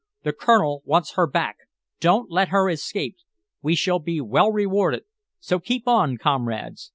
The Colonel wants her back. Don't let her escape! We shall be well rewarded. So keep on, comrades!